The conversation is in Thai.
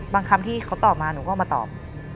บางคำที่เขาตอบมาหนูก็มาตอบ